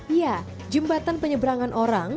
iya jembatan penyeberangan orang